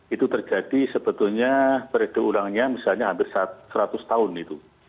itu terjadi sebetulnya periode ulangnya misalnya hampir seratus tahun itu